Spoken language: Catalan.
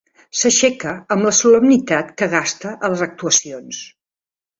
S'aixeca amb la solemnitat que gasta a les actuacions.